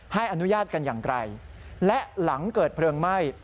ให้อนุญาตกันอย่างไกลและหลังเกิดเพลิงไหม้